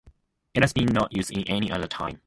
It has been not use in any other time.